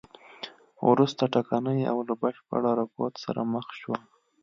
وروسته ټکنۍ او له بشپړ رکود سره مخ شوه.